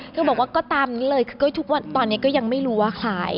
ดูสิแบบตามนี้เลยทางนี้ยังไม่รู้ว่าใคร